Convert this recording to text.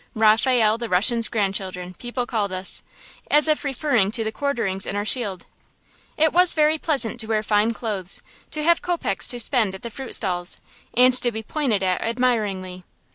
"Raphael the Russian's grandchildren" people called us, as if referring to the quarterings in our shield. It was very pleasant to wear fine clothes, to have kopecks to spend at the fruit stalls, and to be pointed at admiringly.